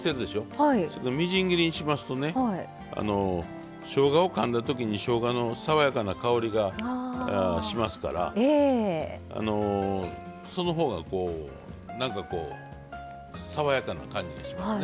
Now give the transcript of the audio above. みじん切りにしますとねしょうがをかんだときにしょうがの爽やかな香りがしますからそのほうがなんかこう爽やかな感じがしますね。